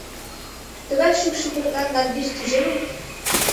Тыгай шӱкшӧ пӧртлан латвич тӱжемым?